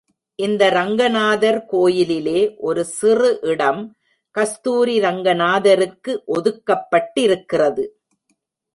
இந்த ரங்கநாதர் கோயிலிலே ஒரு சிறு இடம், கஸ்தூரி ரங்கநாதருக்கு ஒதுக்கப்பட்டிருக்கிறது.